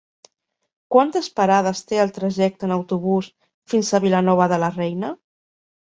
Quantes parades té el trajecte en autobús fins a Vilanova de la Reina?